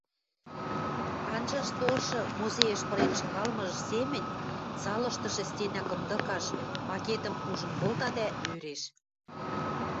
Анжаш толшы музейӹш пырен шагалмыжы семӹнь залыштышы стенӓ кымдыкаш макетӹм ужын колта дӓ ӧреш: